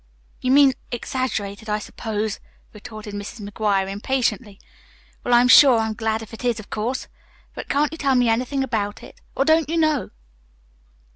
"You mean exaggerated, I suppose," retorted Mrs. McGuire impatiently. "Well, I'm sure I'm glad if it is, of course. But can't you tell me anything about it? Or, don't you know?"